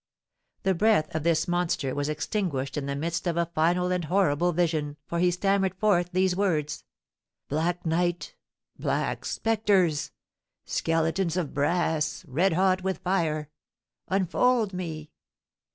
The breath of this monster was extinguished in the midst of a final and horrible vision, for he stammered forth these words, "Black night! black spectres! skeletons of brass, red hot with fire! Unfold me!